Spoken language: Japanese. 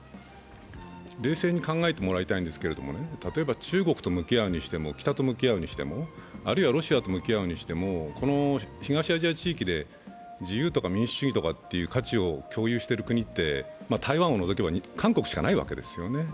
冷静に考えてもらいたいんですが例えば中国と向き合うにしても北と向き合うにしても、あるいはロシアと向き合うにしてもこの東アジア地域で自由とか民主主義という価値を共有している国って、台湾を除けば韓国しかないわけですよね。